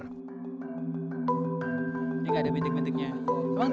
ini enggak ada bentik bentiknya